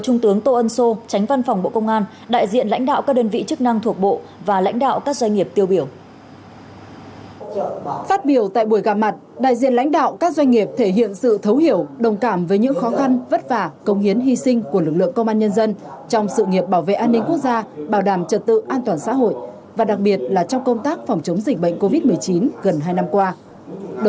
thứ trưởng nguyễn văn sơn nhấn mạnh thấu hiểu đồng cảm với những khó khăn vất vả công hiến hy sinh của lực lượng công an nhân dân trong sự nghiệp bảo vệ an ninh quốc gia bảo đảm trật tự an toàn xã hội và đặc biệt là trong công tác phòng chống dịch bệnh covid một mươi chín